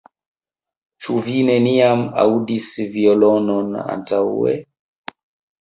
Ĉu vi neniam aŭdis violonon antaŭe?